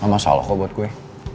masalah kok buat gue